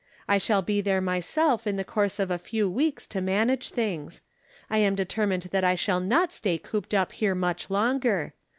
I shall be there myself in the course of a few weeks to manage things. I am determined that I shall not stay cooped up here much longer.